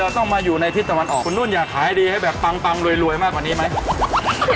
ต้องมาอยู่ในทิศตะวันออกคุณนุ่นอยากขายดีให้แบบปังรวยมากกว่านี้ไหม